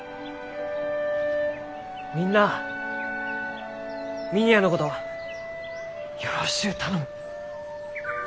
みんなあ峰屋のことよろしゅう頼む。